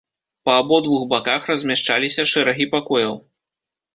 Па абодвух баках размяшчаліся шэрагі пакояў.